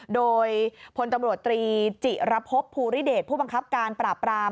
โดยพลตำรวจตรีจิระพบภูริเดชผู้บังคับการปราบราม